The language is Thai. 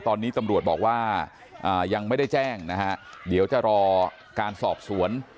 ตอนนี้ตำรวจบอกว่ายังไม่ได้แจ้งนะฮะเดี๋ยวจะรอการสอบสวน